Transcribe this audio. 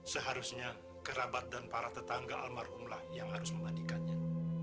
seharusnya kerabat dan para tetangga almarhumlah yang harus membandingkannya